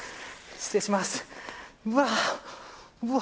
失礼します。